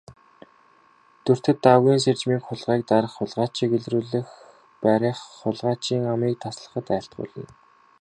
Дүртэд Дагвын сэржмийг хулгайг дарах, хулгайчийг илрүүлэн барих, хулгайчийн амийг таслахад айлтгуулна.